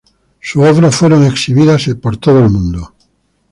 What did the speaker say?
Sus obras fueron exhibidas en todo el mundo.